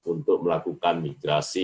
untuk melakukan migrasi